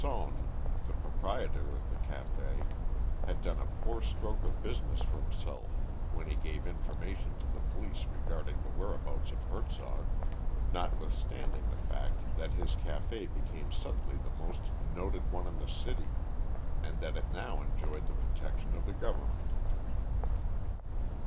Sonne, the proprietor of the café, had done a poor stroke of business for himself when he gave information to the police regarding the whereabouts of Hertzog, notwithstanding the fact that his café became suddenly the most noted one in the city, and that it now enjoyed the protection of the Government.